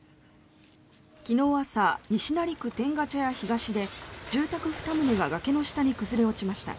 昨日朝、西成区天下茶屋東で住宅２棟が崖の下に崩れ落ちました。